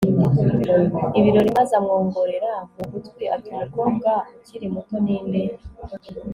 ibirori maze amwongorera mu gutwi ati 'umukobwa ukiri muto ni nde